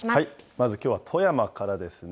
まずきょうは富山からですね。